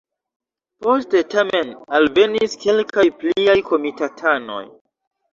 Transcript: Poste tamen alvenis kelkaj pliaj komitatanoj.